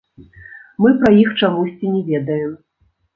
Мы пра іх чамусьці не ведаем.